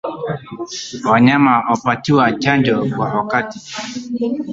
Wanyama wapatiwe chanjo kwa wakati